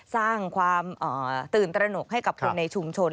สร้างความตื่นตระหนกให้กับคนในชุมชน